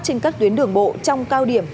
trên các tuyến đường bộ trong cao điểm